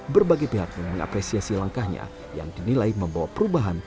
berbagai pihak pun mengapresiasi langkahnya yang dinilai membawa perubahan